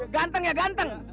ganteng ya ganteng